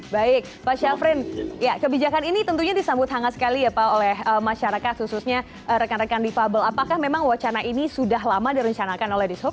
baik pak syafrin kebijakan ini tentunya disambut hangat sekali ya pak oleh masyarakat khususnya rekan rekan difabel apakah memang wacana ini sudah lama direncanakan oleh dishub